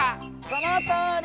そのとおり！